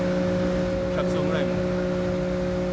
１００そうぐらいもう。